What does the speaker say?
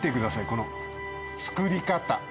この作り方